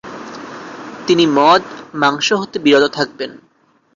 তিনি মদ, মাংস হতে বিরত থাকবেন।